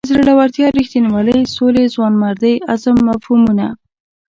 زړورتیا رښتینولۍ سولې ځوانمردۍ عزم مفهومونه.